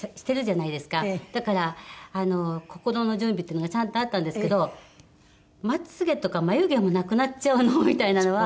だから心の準備っていうのがちゃんとあったんですけどまつ毛とか眉毛もなくなっちゃうの？みたいなのは。